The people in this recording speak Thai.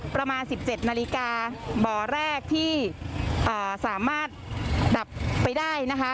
ประมาณ๑๗นาฬิกาบ่อแรกที่สามารถดับไปได้นะคะ